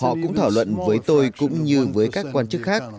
họ cũng thảo luận với tôi cũng như với các quan chức khác